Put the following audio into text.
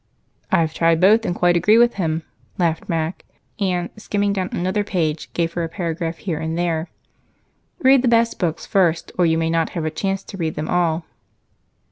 "I've tried both and quite agree with him," laughed Mac, and skimming down another page, gave her a paragraph here and there. "'Read the best books first, or you may not have a chance to read them at all.'